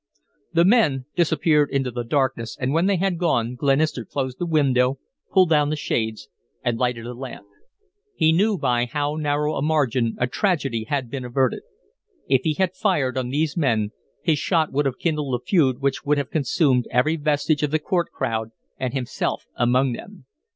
The men disappeared into the darkness, and when they had gone Glenister closed the window, pulled down the shades, and lighted a lamp. He knew by how narrow a margin a tragedy had been averted. If he had fired on these men his shot would have kindled a feud which would have consumed every vestige of the court crowd and himself among them.